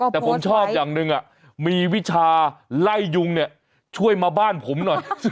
แต่ผมชอบอย่างหนึ่งมีวิชาไล่ยุงเนี่ยช่วยมาบ้านผมหน่อย